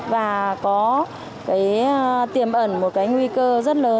và có tiềm ẩn một nguy cơ rất lớn